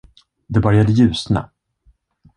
Det började ljusna.